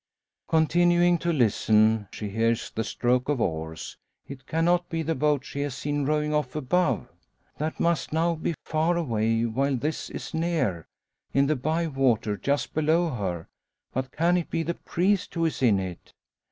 Continuing to listen she hears the stroke of oars. It cannot be the boat she has seen rowing off above? That must now be far away, while this is near in the bye water just below her. But can it be the priest who is in it?